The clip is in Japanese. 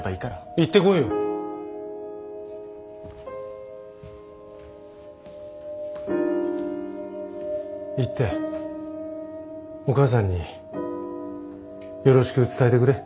行ってお母さんによろしく伝えてくれ。